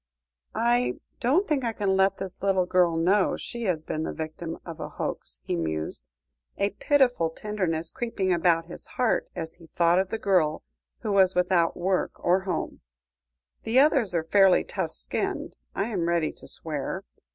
"I don't think I can let this little girl know she has been the victim of a hoax," he mused, a pitiful tenderness creeping about his heart as he thought of the girl who was without work or home; "the others are fairly tough skinned, I am ready to swear.